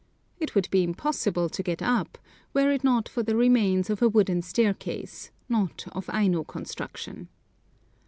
It would be impossible to get up were it not for the remains of a wooden staircase, not of Aino construction.